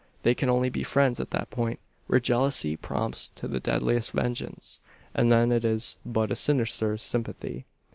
They can only be friends at that point where jealousy prompts to the deadliest vengeance; and then it is but a sinister sympathy.